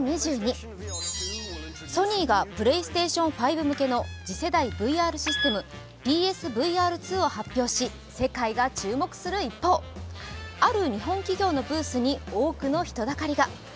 ソニーがプレイステーション５向けの次世代ＶＲシステム、ＰＳＶＲ２を発表し世界が注目する一方、ある日本企業のブースに多くの人だかりが。